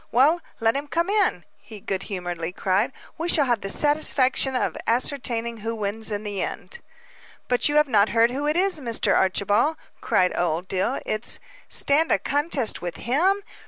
Well, let him come on," he good humoredly cried. "We shall have the satisfaction of ascertaining who wins in the end." "But you have not heard who it is, Mr. Archibald," cried Old Dill, "It " "Stand a contest with him?"